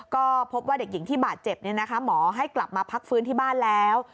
ก็พบว่าเด็กหญิงที่บาดเจ็บหมอให้กลับมาพักฟื้นที่บ้านแล้ว